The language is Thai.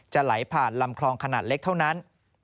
ไหลผ่านลำคลองขนาดเล็กเท่านั้น